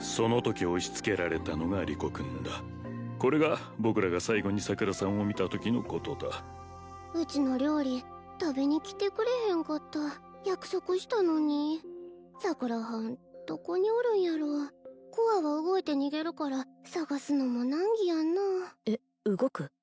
そのとき押しつけられたのがリコ君だこれが僕らが最後に桜さんを見たときのことだうちの料理食べに来てくれへんかった約束したのに桜はんどこにおるんやろコアは動いて逃げるから捜すのも難儀やなあえっ動く？